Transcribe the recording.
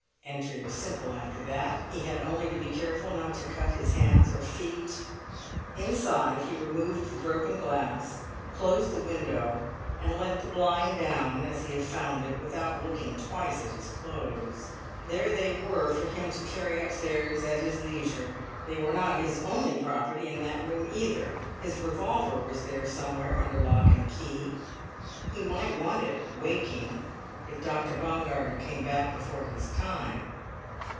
Entry was simple after that; he had only to be careful not to cut his hands or feet. Inside, he removed the broken glass, closed the window, and let the blind down as he had found it, without looking twice at his clothes. There they were for him to carry upstairs at his leisure. They were not his only property in that room either. His revolver was there somewhere under lock and key. He might want it, waking, if Dr. Baumgartner came back before his time.